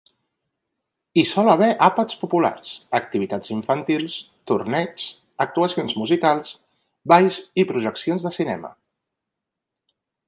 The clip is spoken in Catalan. Hi sol haver àpats populars, activitats infantils, torneigs, actuacions musicals, balls i projeccions de cinema.